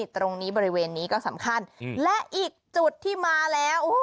ตรงนี้บริเวณนี้ก็สำคัญและอีกจุดที่มาแล้ว